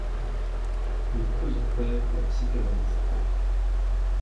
Nous faisons taire la psychanaliste.